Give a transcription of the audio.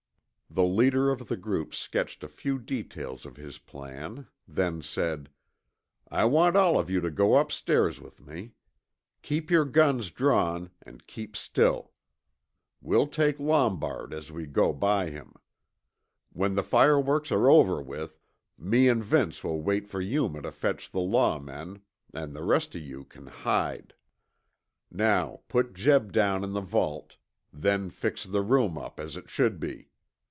The leader of the group sketched a few details of his plan, then said, "I want all of you to go upstairs with me. Keep your guns drawn an' keep still. We'll take Lombard as we go by him. When the fireworks are over with, me an' Vince will wait for Yuma to fetch the law men, an' the rest of you can hide. Now put Jeb down in the vault, then fix the room up as it should be.